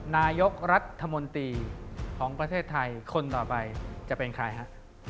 นายกรัฐมนตรีของประเทศไทยคนต่อไปจะเป็นใครฮะ